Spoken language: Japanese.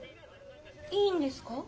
いいんですか？